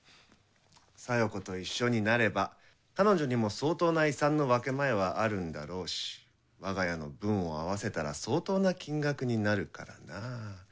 小夜子と一緒になれば彼女にも相当な遺産の分け前はあるんだろうし我が家の分を合わせたら相当な金額になるからなぁ。